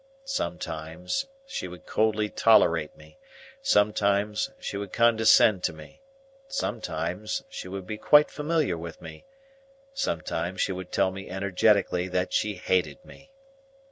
Sometimes, she would coldly tolerate me; sometimes, she would condescend to me; sometimes, she would be quite familiar with me; sometimes, she would tell me energetically that she hated me.